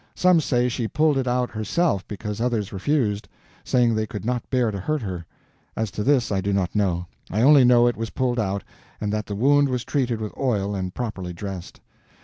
Some say she pulled it out herself because others refused, saying they could not bear to hurt her. As to this I do not know; I only know it was pulled out, and that the wound was treated with oil and properly dressed.